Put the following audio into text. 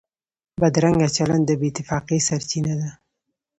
بدرنګه چلند د بې اتفاقۍ سرچینه ده